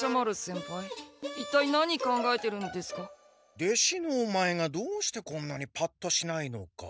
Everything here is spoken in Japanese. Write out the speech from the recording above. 弟子のオマエがどうしてこんなにパッとしないのか。